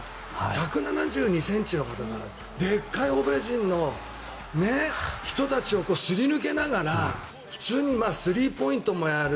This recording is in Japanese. １７２ｃｍの方がでっかい欧米人の人たちをすり抜けながら普通にスリーポイントもやる